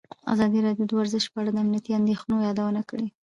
ازادي راډیو د ورزش په اړه د امنیتي اندېښنو یادونه کړې.